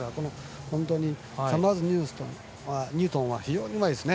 本当にサマーズニュートンは非常にうまいですね。